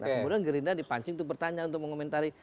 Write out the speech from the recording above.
kemudian gerindra dipancing untuk bertanya untuk mengomentari